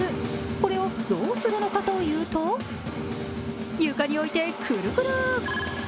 これをどうするのかというと床に置いてクルクル。